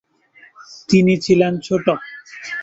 তিনি ছিলেন ছোট।